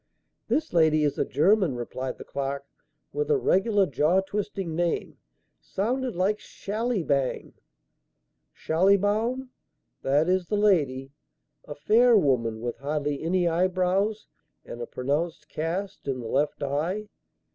"This lady is a German," replied the clerk, "with a regular jaw twisting name. Sounded like Shallybang." "Schallibaum. That is the lady. A fair woman with hardly any eyebrows and a pronounced cast in the left eye."